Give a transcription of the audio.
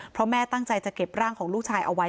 เพราะแม่ตั้งใจจะเก็บร่างของลูกชายเอาไว้